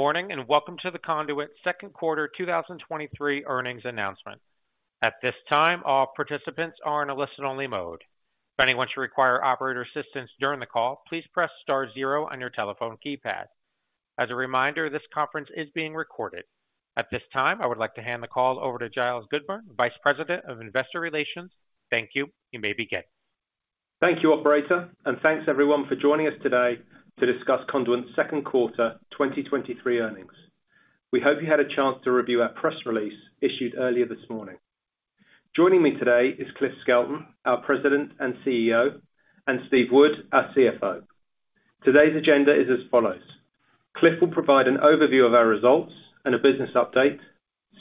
Good morning, and welcome to the Conduent Q2 2023 earnings announcement. At this time, all participants are in a listen-only mode. If anyone should require operator assistance during the call, please press star zero on your telephone keypad. As a reminder, this conference is being recorded. At this time, I would like to hand the call over to Giles Goodburn, Vice President of Investor Relations. Thank you. You may begin. Thank you, operator. Thanks everyone for joining us today to discuss Conduent's Q2 2023 earnings. We hope you had a chance to review our press release issued earlier this morning. Joining me today is Cliff Skelton, our President and CEO, and Steve Wood, our CFO. Today's agenda is as follows: Cliff will provide an overview of our results and a business update.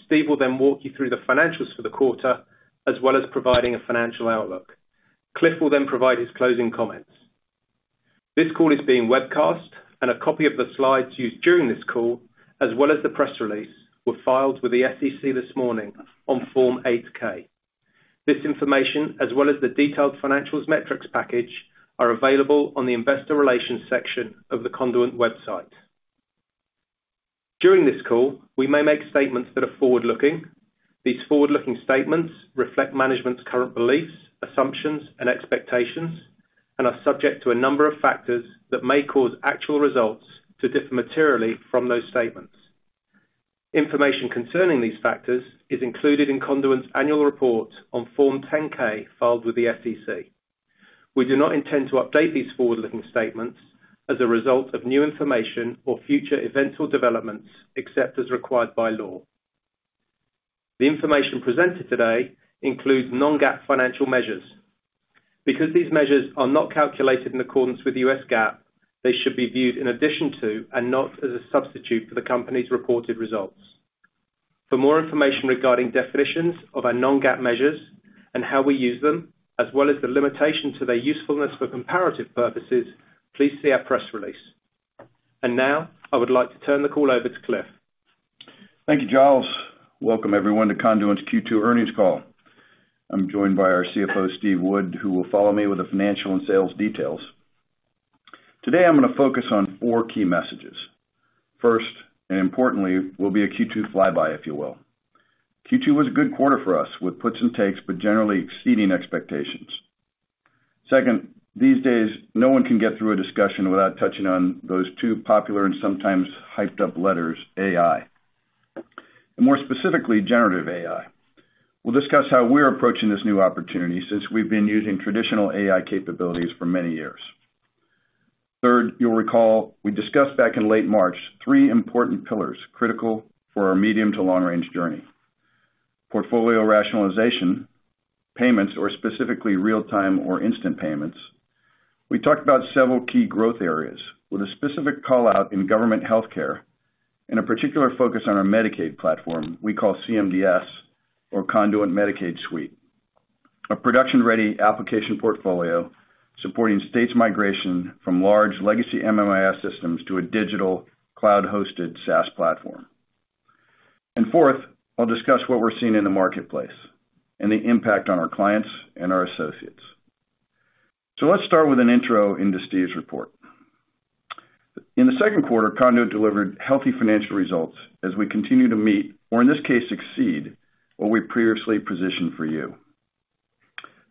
Steve will then walk you through the financials for the quarter, as well as providing a financial outlook. Cliff will then provide his closing comments. This call is being webcast. A copy of the slides used during this call, as well as the press release, were filed with the SEC this morning on Form 8-K. This information, as well as the detailed financials metrics package, are available on the investor relations section of the Conduent website. During this call, we may make statements that are forward-looking. These forward-looking statements reflect management's current beliefs, assumptions, and expectations and are subject to a number of factors that may cause actual results to differ materially from those statements. Information concerning these factors is included in Conduent's annual report on Form 10-K, filed with the SEC. We do not intend to update these forward-looking statements as a result of new information or future events or developments, except as required by law. The information presented today includes non-GAAP financial measures. Because these measures are not calculated in accordance with the US GAAP, they should be viewed in addition to, and not as a substitute for the company's reported results. For more information regarding definitions of our non-GAAP measures and how we use them, as well as the limitation to their usefulness for comparative purposes, please see our press release. Now, I would like to turn the call over to Cliff. Thank you, Giles. Welcome, everyone, to Conduent's Q2 Earnings Call. I'm joined by our CFO, Steve Wood, who will follow me with the financial and sales details. Today, I'm gonna focus on four key messages. First, and importantly, will be a Q2 flyby, if you will. Q2 was a good quarter for us, with puts and takes, but generally exceeding expectations. Second, these days, no one can get through a discussion without touching on those two popular and sometimes hyped up letters, AI, and more specifically, generative AI. We'll discuss how we're approaching this new opportunity since we've been using traditional AI capabilities for many years. Third, you'll recall we discussed back in late March three important pillars critical for our medium to long range journey. Portfolio rationalization, payments, or specifically real-time or instant payments. We talked about several key growth areas, with a specific call-out in government healthcare and a particular focus on our Medicaid platform we call CMdS or Conduent Medicaid Suite, a production-ready application portfolio supporting states migration from large legacy MMIS systems to a digital cloud-hosted SaaS platform. Fourth, I'll discuss what we're seeing in the marketplace and the impact on our clients and our associates. Let's start with an intro into Steve's report. In the Q2, Conduent delivered healthy financial results as we continue to meet, or in this case, exceed what we previously positioned for you.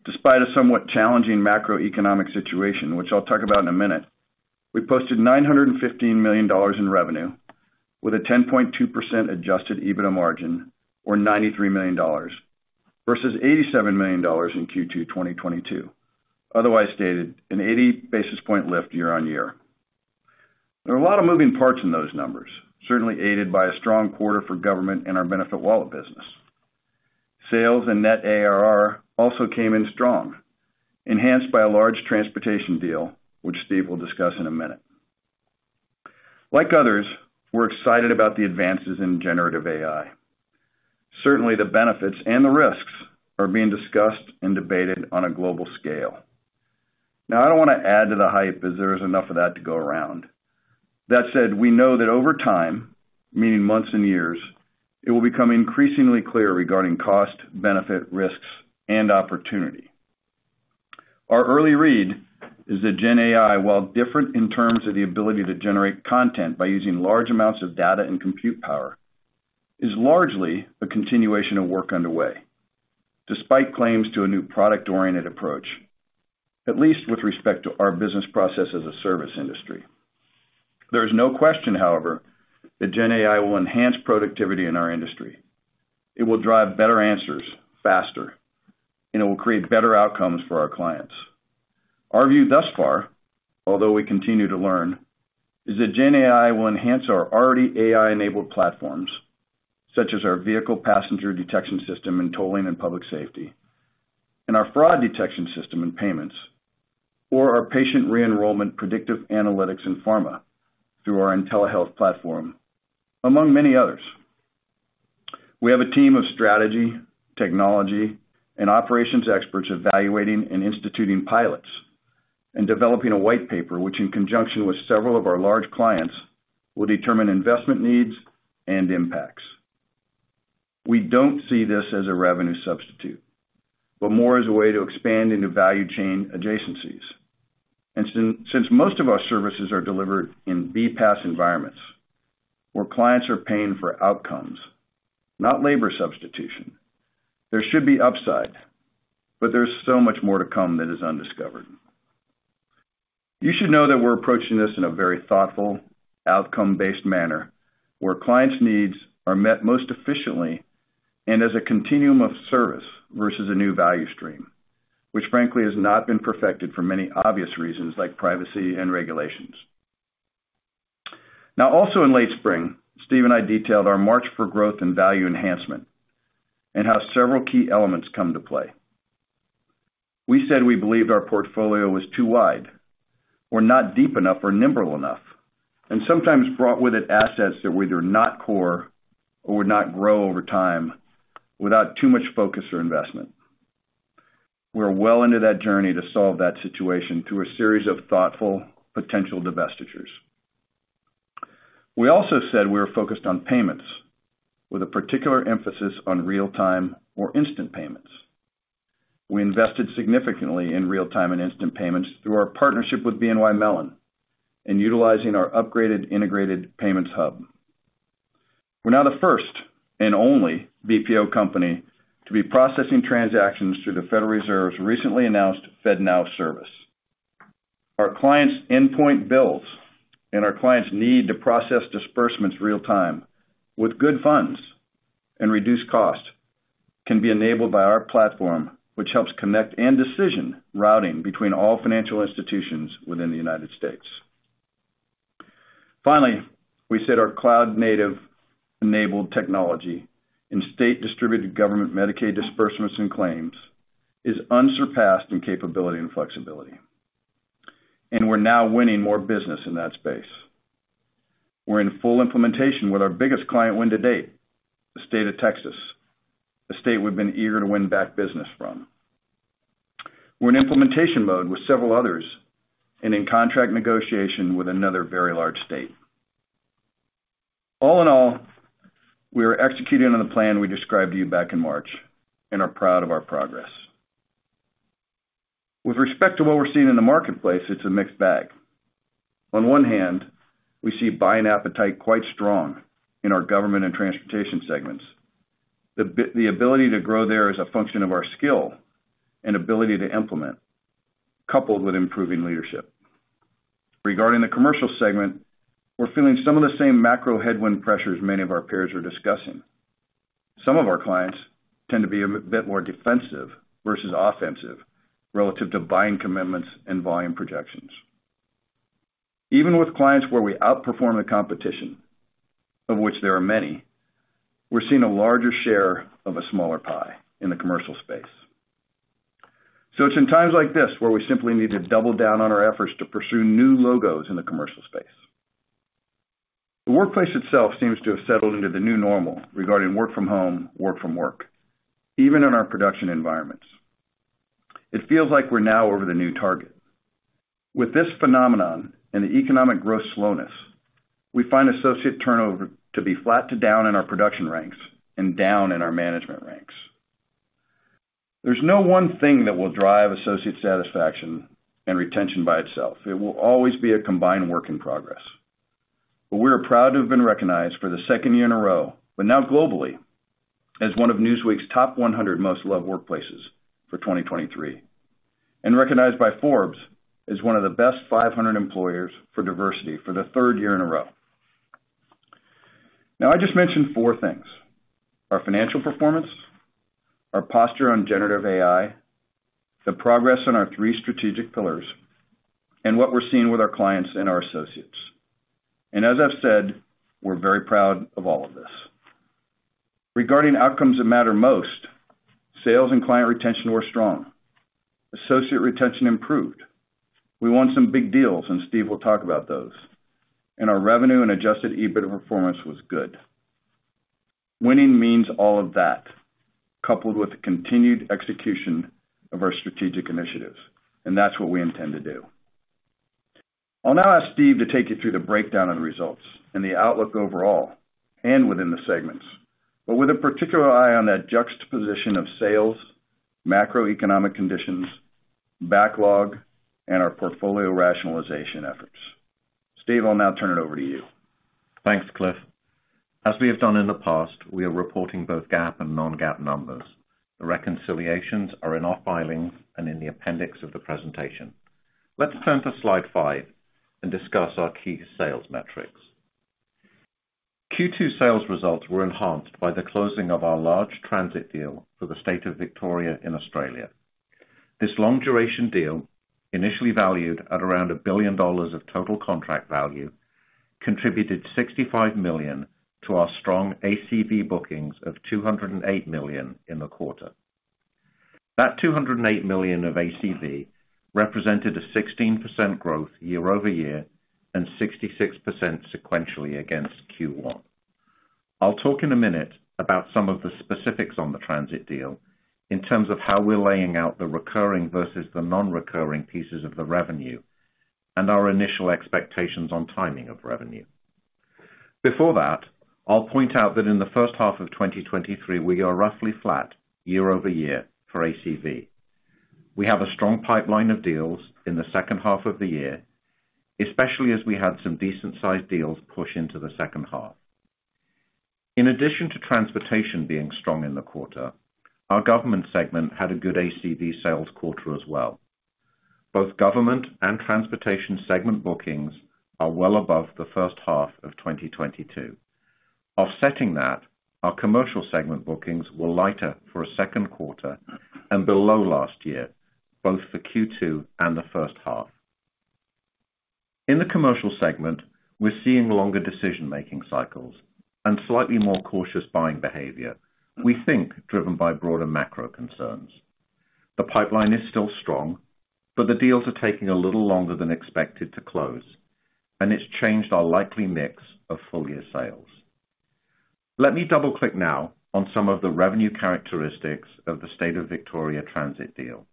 Despite a somewhat challenging macroeconomic situation, which I'll talk about in a minute, we posted $915 million in revenue with a 10.2% adjusted EBITDA margin, or $93 million, versus $87 million in Q2 2022. Otherwise stated, an 80 basis point lift year-over-year. There are a lot of moving parts in those numbers, certainly aided by a strong quarter for government and our BenefitWallet business. Sales and net ARR also came in strong, enhanced by a large transportation deal, which Steve will discuss in a minute. Like others, we're excited about the advances in generative AI. Certainly, the benefits and the risks are being discussed and debated on a global scale. Now, I don't wanna add to the hype, as there is enough of that to go around. That said, we know that over time, meaning months and years, it will become increasingly clear regarding cost, benefit, risks, and opportunity. Our early read is that Gen AI, while different in terms of the ability to generate content by using large amounts of data and compute power, is largely a continuation of work underway, despite claims to a new product-oriented approach, at least with respect to our business process as a service industry. There is no question, however, that Gen AI will enhance productivity in our industry. It will drive better answers faster, and it will create better outcomes for our clients. Our view thus far, although we continue to learn, is that Gen AI will enhance our already AI-enabled platforms, such as our Vehicle Passenger Detection System in tolling and public safety, and our Fraud Detection System in payments, or our patient re-enrollment predictive analytics in pharma through our IntelliHealth platform, among many others. We have a team of strategy, technology, and operations experts evaluating and instituting pilots and developing a white paper, which in conjunction with several of our large clients, will determine investment needs and impacts. We don't see this as a revenue substitute, but more as a way to expand into value chain adjacencies. Since most of our services are delivered in BPAS environments, where clients are paying for outcomes, not labor substitution, there should be upside, but there's so much more to come that is undiscovered. You should know that we're approaching this in a very thoughtful, outcome-based manner, where clients' needs are met most efficiently and as a continuum of service versus a new value stream, which frankly, has not been perfected for many obvious reasons, like privacy and regulations. Also in late spring, Steve and I detailed our march for growth and value enhancement and how several key elements come to play. We said we believed our portfolio was too wide or not deep enough or nimble enough, and sometimes brought with it assets that were either not core or would not grow over time without too much focus or investment. We're well into that journey to solve that situation through a series of thoughtful potential divestitures. We also said we were focused on payments with a particular emphasis on real-time or instant payments. We invested significantly in real-time and instant payments through our partnership with BNY Mellon in utilizing our upgraded Integrated Payments Hub. We're now the first and only BPO company to be processing transactions through the Federal Reserve's recently announced FedNow Service. Our clients' endpoint bills and our clients' need to process disbursements real time with good funds and reduced costs, can be enabled by our platform, which helps connect and decision routing between all financial institutions within the United States. Finally, we said our cloud-native enabled technology in state-distributed government Medicaid disbursements and claims is unsurpassed in capability and flexibility, and we're now winning more business in that space. We're in full implementation with our biggest client win to date, the state of Texas, a state we've been eager to win back business from. We're in implementation mode with several others and in contract negotiation with another very large state. All in all, we are executing on the plan we described to you back in March and are proud of our progress. With respect to what we're seeing in the marketplace, it's a mixed bag. On one hand, we see buying appetite quite strong in our government and transportation segments. The ability to grow there is a function of our skill and ability to implement, coupled with improving leadership. Regarding the commercial segment, we're feeling some of the same macro headwind pressures many of our peers are discussing. Some of our clients tend to be a bit more defensive versus offensive, relative to buying commitments and volume projections. Even with clients where we outperform the competition, of which there are many, we're seeing a larger share of a smaller pie in the commercial space. It's in times like this where we simply need to double down on our efforts to pursue new logos in the commercial space. The workplace itself seems to have settled into the new normal regarding work from home, work from work, even in our production environments. It feels like we're now over the new target. With this phenomenon and the economic growth slowness, we find associate turnover to be flat to down in our production ranks and down in our management ranks. There's no one thing that will drive associate satisfaction and retention by itself. It will always be a combined work in progress. We are proud to have been recognized for the second year in a row, but now globally, as one of Newsweek's top 100 most loved workplaces for 2023, and recognized by Forbes as one of the best 500 employers for diversity for the third year in a row. I just mentioned 4 things: our financial performance, our posture on generative AI, the progress on our 3 strategic pillars, and what we're seeing with our clients and our associates. As I've said, we're very proud of all of this. Regarding outcomes that matter most, sales and client retention were strong. Associate retention improved. We won some big deals, and Steve will talk about those, and our revenue and adjusted EBITDA performance was good. Winning means all of that, coupled with the continued execution of our strategic initiatives. That's what we intend to do. I'll now ask Steve to take you through the breakdown of the results and the outlook overall and within the segments, but with a particular eye on that juxtaposition of sales, macroeconomic conditions, backlog, and our portfolio rationalization efforts. Steve, I'll now turn it over to you. Thanks, Cliff. As we have done in the past, we are reporting both GAAP and non-GAAP numbers. The reconciliations are in our filings and in the appendix of the presentation. Let's turn to slide 5 and discuss our key sales metrics. Q2 sales results were enhanced by the closing of our large transit deal for the state of Victoria in Australia. This long-duration deal, initially valued at around $1 billion of total contract value, contributed $65 million to our strong ACV bookings of $208 million in the quarter. That $208 million of ACV represented a 16% growth year-over-year and 66% sequentially against Q1. I'll talk in a minute about some of the specifics on the transit deal in terms of how we're laying out the recurring versus the non-recurring pieces of the revenue... Our initial expectations on timing of revenue. Before that, I'll point out that in the first half of 2023, we are roughly flat year-over-year for ACV. We have a strong pipeline of deals in the second half of the year, especially as we had some decent-sized deals push into the second half. In addition to transportation being strong in the quarter, our government segment had a good ACV sales quarter as well. Both government and transportation segment bookings are well above the first half of 2022. Offsetting that, our commercial segment bookings were lighter for a Q2 and below last year, both for Q2 and the first half. In the commercial segment, we're seeing longer decision-making cycles and slightly more cautious buying behavior, we think, driven by broader macro concerns. The pipeline is still strong, the deals are taking a little longer than expected to close, it's changed our likely mix of full year sales. Let me double-click now on some of the revenue characteristics of the State of Victoria transit deal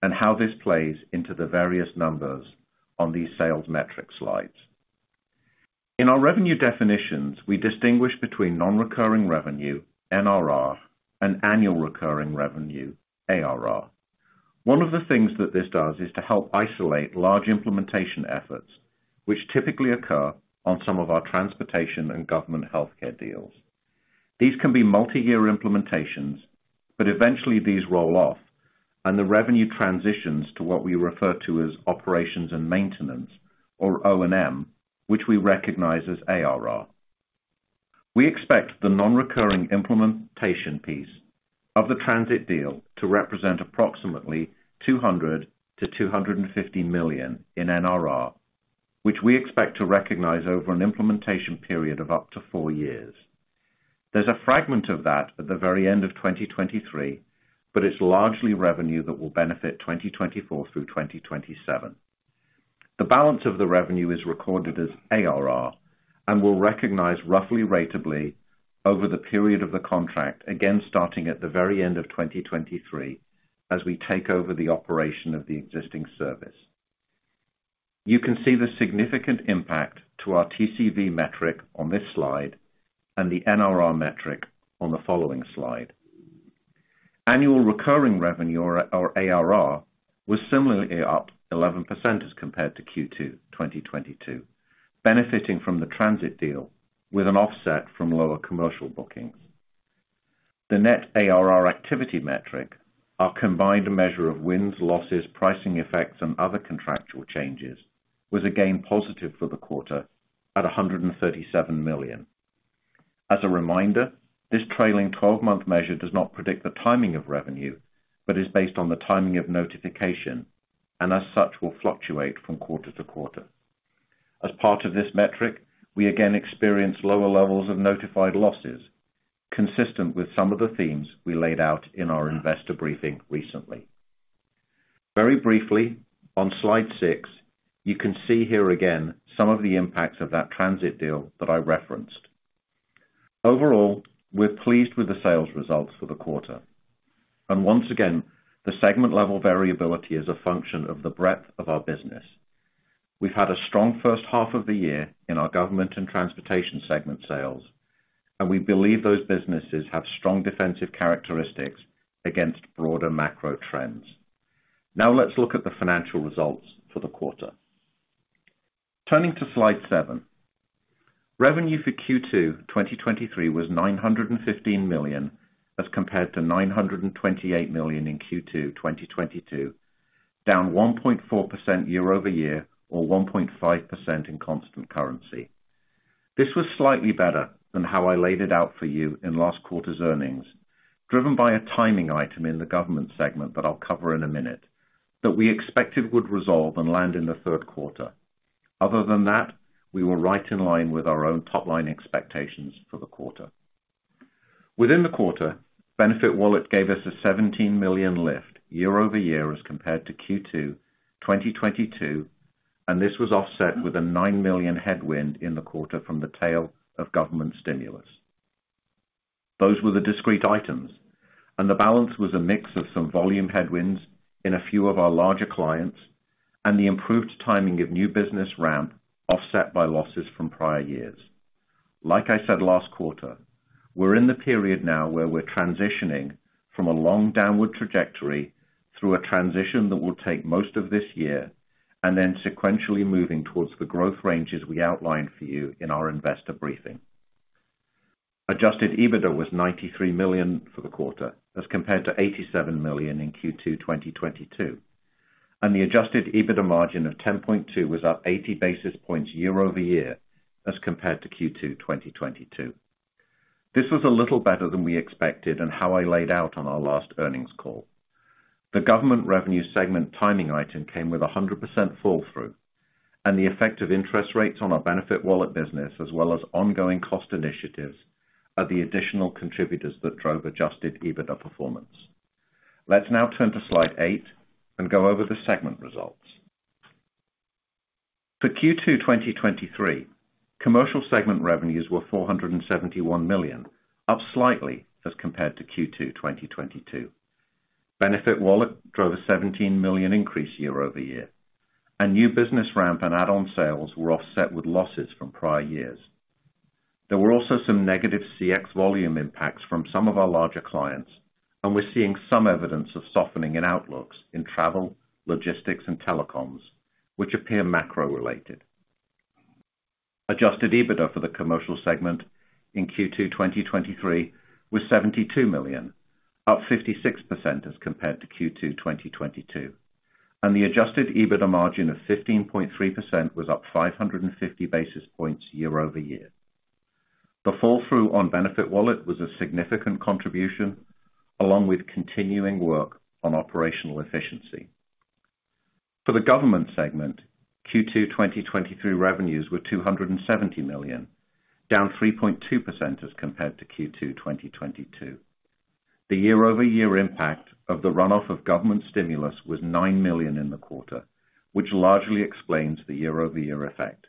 and how this plays into the various numbers on these sales metric slides. In our revenue definitions, we distinguish between nonrecurring revenue, NRR, and annual recurring revenue, ARR. One of the things that this does is to help isolate large implementation efforts, which typically occur on some of our transportation and government healthcare deals. These can be multi-year implementations, eventually these roll off, the revenue transitions to what we refer to as operations and maintenance or O&M, which we recognize as ARR. We expect the nonrecurring implementation piece of the transit deal to represent approximately $200 million-$250 million in NRR, which we expect to recognize over an implementation period of up to 4 years. There's a fragment of that at the very end of 2023, but it's largely revenue that will benefit 2024 through 2027. The balance of the revenue is recorded as ARR and will recognize roughly ratably over the period of the contract, again, starting at the very end of 2023, as we take over the operation of the existing service. You can see the significant impact to our TCV metric on this slide and the NRR metric on the following slide. Annual recurring revenue or ARR was similarly up 11% as compared to Q2 2022, benefiting from the transit deal with an offset from lower commercial bookings. The net ARR activity metric, our combined measure of wins, losses, pricing effects, and other contractual changes, was again positive for the quarter at $137 million. As a reminder, this trailing twelve-month measure does not predict the timing of revenue, but is based on the timing of notification, and as such, will fluctuate from quarter to quarter. As part of this metric, we again experienced lower levels of notified losses, consistent with some of the themes we laid out in our investor briefing recently. Very briefly, on slide 6, you can see here again some of the impacts of that transit deal that I referenced. We're pleased with the sales results for the quarter. Once again, the segment-level variability is a function of the breadth of our business. We've had a strong first half of the year in our government and transportation segment sales, we believe those businesses have strong defensive characteristics against broader macro trends. Let's look at the financial results for the quarter. Turning to slide seven. Revenue for Q2 2023 was $915 million, as compared to $928 million in Q2 2022, down 1.4% year-over-year, or 1.5% in constant currency. This was slightly better than how I laid it out for you in last quarter's earnings, driven by a timing item in the government segment that I'll cover in a minute, that we expected would resolve and land in the Q3. Other than that, we were right in line with our own top-line expectations for the quarter. Within the quarter, BenefitWallet gave us a $17 million lift year-over-year as compared to Q2 2022. This was offset with a $9 million headwind in the quarter from the tail of government stimulus. Those were the discrete items. The balance was a mix of some volume headwinds in a few of our larger clients and the improved timing of new business ramp, offset by losses from prior years. Like I said last quarter, we're in the period now where we're transitioning from a long downward trajectory through a transition that will take most of this year, then sequentially moving towards the growth ranges we outlined for you in our investor briefing. Adjusted EBITDA was $93 million for the quarter, as compared to $87 million in Q2 2022. The adjusted EBITDA margin of 10.2 was up 80 basis points year-over-year as compared to Q2 2022. This was a little better than we expected and how I laid out on our last earnings call. The government revenue segment timing item came with 100% fall through. The effect of interest rates on our BenefitWallet business, as well as ongoing cost initiatives, are the additional contributors that drove adjusted EBITDA performance. Let's now turn to slide 8 and go over the segment results. For Q2 2023, commercial segment revenues were $471 million, up slightly as compared to Q2 2022. BenefitWallet drove a $17 million increase year-over-year. New business ramp and add-on sales were offset with losses from prior years. There were also some negative CX volume impacts from some of our larger clients, and we're seeing some evidence of softening in outlooks in travel, logistics, and telecoms, which appear macro-related. Adjusted EBITDA for the commercial segment in Q2 2023 was $72 million, up 56% as compared to Q2 2022, and the adjusted EBITDA margin of 15.3% was up 550 basis points year-over-year. The fall-through on BenefitWallet was a significant contribution, along with continuing work on operational efficiency. For the government segment, Q2 2023 revenues were $270 million, down 3.2% as compared to Q2 2022. The year-over-year impact of the runoff of government stimulus was $9 million in the quarter, which largely explains the year-over-year effect.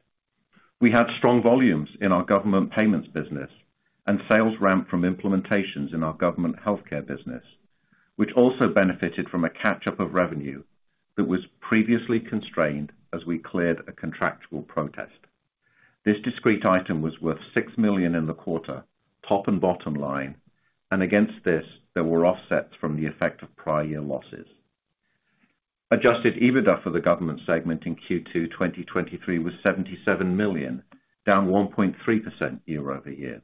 We had strong volumes in our government payments business and sales ramp from implementations in our government healthcare business, which also benefited from a catch-up of revenue that was previously constrained as we cleared a contractual protest. This discrete item was worth $6 million in the quarter, top and bottom line, and against this, there were offsets from the effect of prior year losses. Adjusted EBITDA for the government segment in Q2 2023 was $77 million, down 1.3% year-over-year.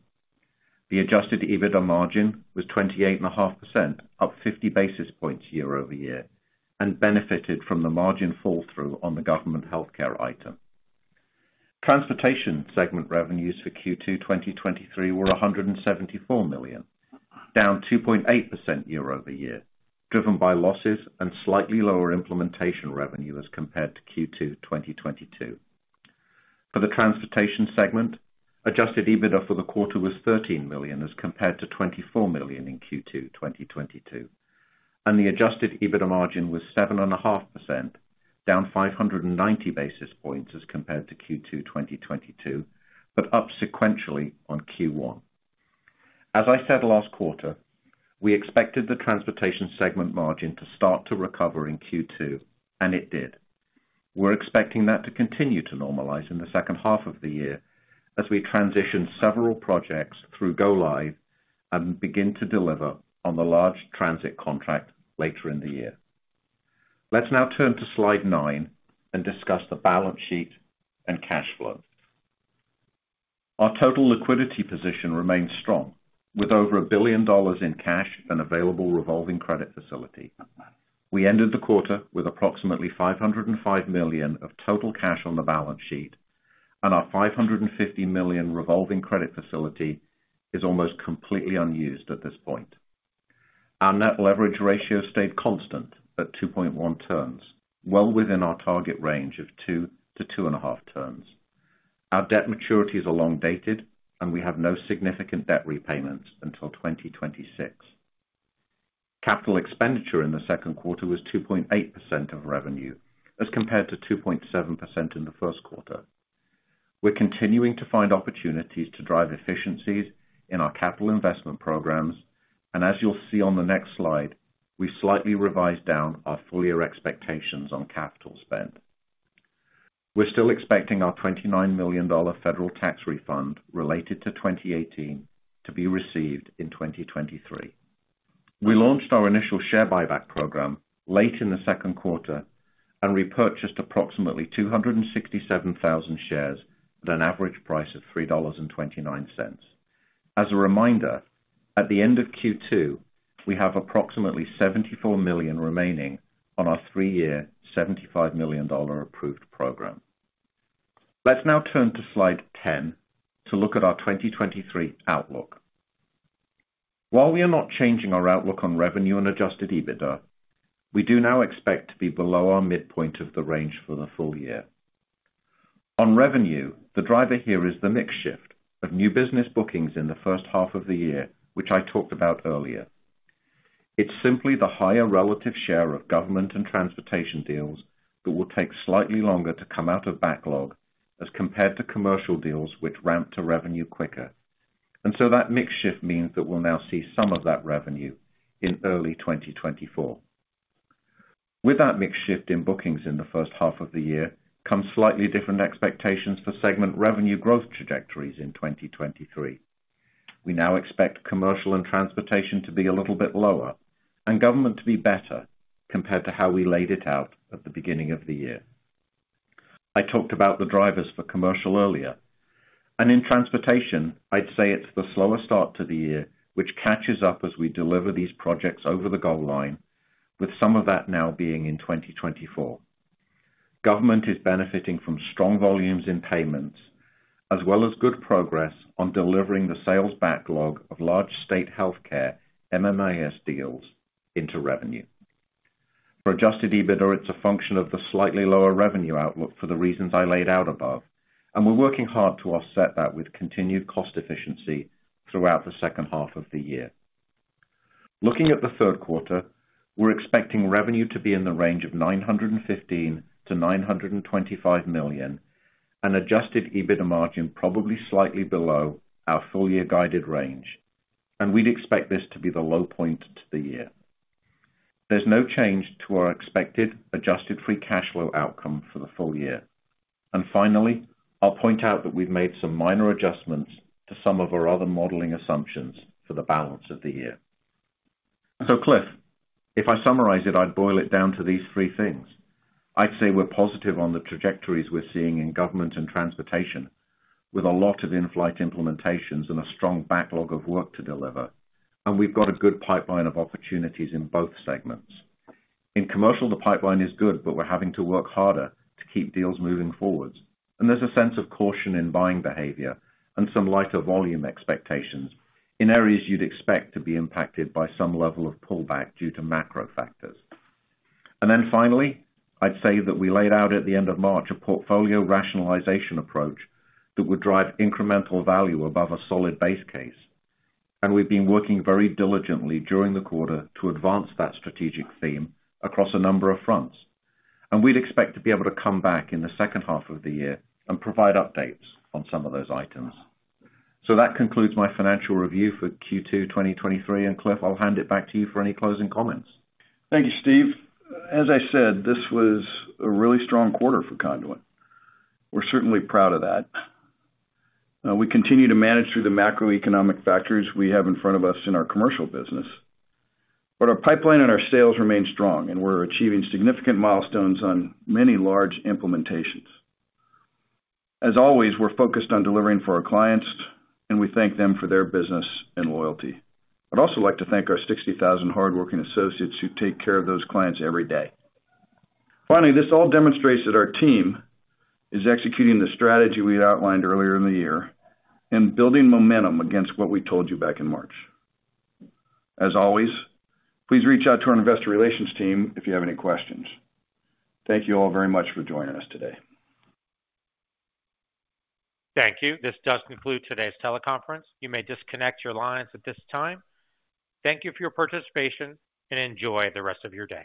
The adjusted EBITDA margin was 28.5%, up 50 basis points year-over-year, and benefited from the margin fall-through on the government healthcare item. Transportation segment revenues for Q2 2023 were $174 million, down 2.8% year-over-year, driven by losses and slightly lower implementation revenue as compared to Q2 2022. For the transportation segment, adjusted EBITDA for the quarter was $13 million, as compared to $24 million in Q2 2022, and the adjusted EBITDA margin was 7.5%, down 590 basis points as compared to Q2 2022. Up sequentially on Q1. As I said last quarter, we expected the transportation segment margin to start to recover in Q2, and it did. We're expecting that to continue to normalize in the second half of the year as we transition several projects through go live and begin to deliver on the large transit contract later in the year. Let's now turn to Slide 9 and discuss the balance sheet and cash flow. Our total liquidity position remains strong with over $1 billion in cash and available revolving credit facility. We ended the quarter with approximately $505 million of total cash on the balance sheet, and our $550 million revolving credit facility is almost completely unused at this point. Our net leverage ratio stayed constant at 2.1 turns, well within our target range of 2-2.5 turns. Our debt maturities are long dated, and we have no significant debt repayments until 2026. Capital expenditure in the Q2 was 2.8% of revenue, as compared to 2.7% in the Q1. We're continuing to find opportunities to drive efficiencies in our capital investment programs, and as you'll see on the next slide, we slightly revised down our full year expectations on capital spend. We're still expecting our $29 million federal tax refund related to 2018 to be received in 2023. We launched our initial share buyback program late in the Q2, and we purchased approximately 267,000 shares at an average price of $3.29. As a reminder, at the end of Q2, we have approximately $74 million remaining on our three-year, $75 million approved program. Let's now turn to Slide 10 to look at our 2023 outlook. While we are not changing our outlook on revenue and adjusted EBITDA, we do now expect to be below our midpoint of the range for the full year. On revenue, the driver here is the mix shift of new business bookings in the first half of the year, which I talked about earlier. It's simply the higher relative share of government and transportation deals that will take slightly longer to come out of backlog as compared to commercial deals which ramp to revenue quicker. That mix shift means that we'll now see some of that revenue in early 2024. With that mix shift in bookings in the first half of the year, comes slightly different expectations for segment revenue growth trajectories in 2023. We now expect commercial and transportation to be a little bit lower and government to be better compared to how we laid it out at the beginning of the year. I talked about the drivers for commercial earlier, in transportation, I'd say it's the slower start to the year, which catches up as we deliver these projects over the goal line, with some of that now being in 2024. Government is benefiting from strong volumes in payments, as well as good progress on delivering the sales backlog of large state healthcare MMIS deals into revenue. For adjusted EBITDA, it's a function of the slightly lower revenue outlook for the reasons I laid out above, and we're working hard to offset that with continued cost efficiency throughout the second half of the year. Looking at the Q3, we're expecting revenue to be in the range of $915 million-$925 million and adjusted EBITDA margin probably slightly below our full year guided range, and we'd expect this to be the low point to the year. There's no change to our expected adjusted free cash flow outcome for the full year. Finally, I'll point out that we've made some minor adjustments to some of our other modeling assumptions for the balance of the year. Cliff, if I summarize it, I'd boil it down to these three things: I'd say we're positive on the trajectories we're seeing in government and transportation, with a lot of in-flight implementations and a strong backlog of work to deliver, and we've got a good pipeline of opportunities in both segments. In commercial, the pipeline is good, but we're having to work harder to keep deals moving forwards, and there's a sense of caution in buying behavior and some lighter volume expectations in areas you'd expect to be impacted by some level of pullback due to macro factors. Finally, I'd say that we laid out at the end of March a portfolio rationalization approach that would drive incremental value above a solid base case, and we've been working very diligently during the quarter to advance that strategic theme across a number of fronts. We'd expect to be able to come back in the second half of the year and provide updates on some of those items. That concludes my financial review for Q2 2023, and Cliff, I'll hand it back to you for any closing comments. Thank you, Steve. As I said, this was a really strong quarter for Conduent. We're certainly proud of that. We continue to manage through the macroeconomic factors we have in front of us in our commercial business, but our pipeline and our sales remain strong, and we're achieving significant milestones on many large implementations. As always, we're focused on delivering for our clients, and we thank them for their business and loyalty. I'd also like to thank our 60,000 hardworking associates who take care of those clients every day. Finally, this all demonstrates that our team is executing the strategy we had outlined earlier in the year and building momentum against what we told you back in March. As always, please reach out to our investor relations team if you have any questions. Thank you all very much for joining us today. Thank you. This does conclude today's teleconference. You may disconnect your lines at this time. Thank you for your participation, and enjoy the rest of your day.